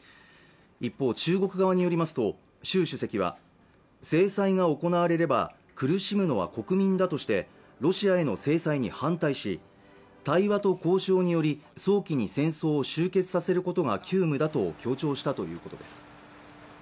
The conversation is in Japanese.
一方中国側によりますと習主席は制裁が行われれば苦しむのは国民だとしてロシアへの制裁に反対し対話と交渉により早期に戦争を終結させることが急務だと強調したということです